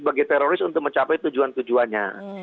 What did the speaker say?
bagi teroris untuk mencapai tujuan tujuannya